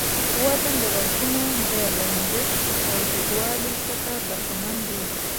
وزن د غږونو د لنډښت او جګوالي څخه برخمن دى.